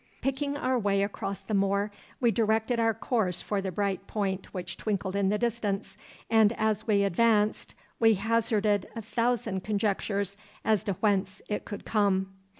Picking our way across the moor, we directed our course for the bright point which twinkled in the distance; and as we advanced we hazarded a thousand conjectures as to whence it could come.